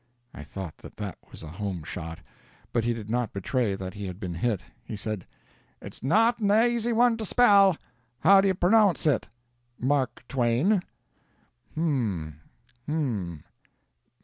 I thought that that was a home shot, but he did not betray that he had been hit. He said: "It's not an aisy one to spell; how do you pronounce ut?" "Mark Twain." "H'm. H'm.